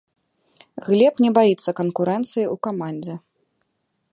Глеб не баіцца канкурэнцыі ў камандзе.